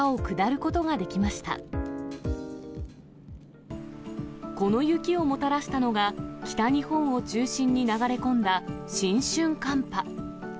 この雪をもたらしたのが、北日本を中心に流れ込んだ新春寒波。